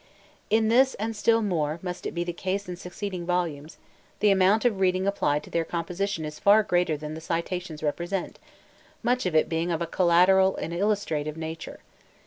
In this, and still more must it be the case in succeeding volumes, the amount of reading applied to their composition is far greater than the citations represent, much of it being of a collateral and illustrative nature.